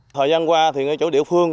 thời gian qua thì chỗ địa phương